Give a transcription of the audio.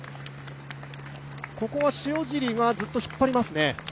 ここは塩尻がずっと引っ張りますね。